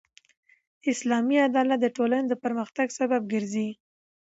اسلامي عدالت د ټولني د پرمختګ سبب ګرځي.